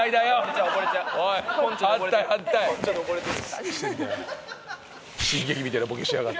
何してんだよ！